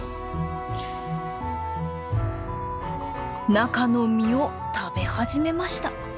中の実を食べ始めました。